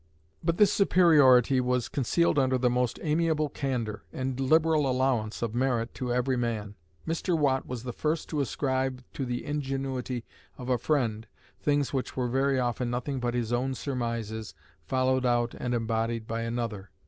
But this superiority was concealed under the most amiable candour, and liberal allowance of merit to every man. Mr. Watt was the first to ascribe to the ingenuity of a friend things which were very often nothing but his own surmises followed out and embodied by another.